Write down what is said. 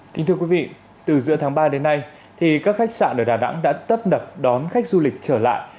kính thưa quý vị từ giữa tháng ba đến nay thì các khách sạn ở đà nẵng đã tấp nập đón khách du lịch trở lại